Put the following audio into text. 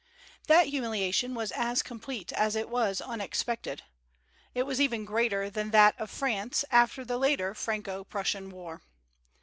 That humiliation was as complete as it was unexpected. It was even greater than that of France after the later Franco Prussian war.